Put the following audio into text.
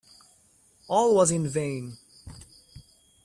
All was in vain.